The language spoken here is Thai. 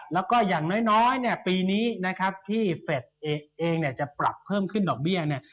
แล้วก็อย่างน้อยเนี่ยปีนี้นะครับที่เฟสเองเนี่ยจะปรับเพิ่มขึ้นดอกเบี้ยเนี่ย